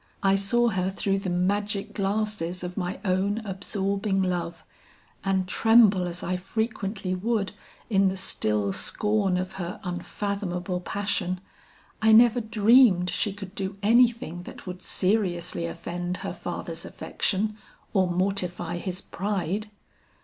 I saw her through the magic glasses of my own absorbing love, and tremble as I frequently would in the still scorn of her unfathomable passion, I never dreamed she could do anything that would seriously offend her father's affection or mortify his pride.